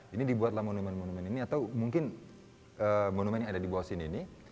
ini dibuatlah monumen monumen ini atau mungkin monumen yang ada di bawah sini ini